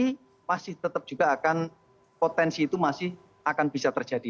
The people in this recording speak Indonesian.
tapi masih tetap juga akan potensi itu masih akan bisa terjadi